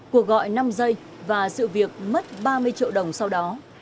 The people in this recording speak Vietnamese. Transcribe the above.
cuộc gọi năm giây và sự việc mất ba mươi triệu đồng sau đó